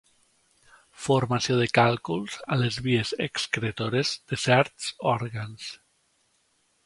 Formació de càlculs a les vies excretores de certs òrgans.